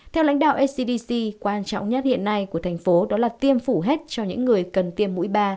theo lãnh đạo scdc quan trọng nhất hiện nay của thành phố đó là tiêm phủ hết cho những người cần tiêm mũi ba